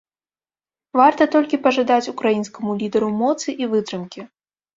Варта толькі пажадаць украінскаму лідару моцы і вытрымкі.